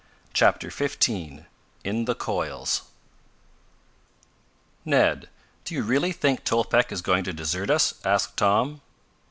CHAPTER XV IN THE COILS "Ned, do you really think Tolpec is going to desert us?" asked Tom.